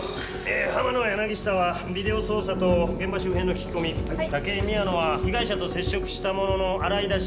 野柳下はビデオ捜査と現場周辺の聞き込み武井宮野は被害者と接触した者の洗い出し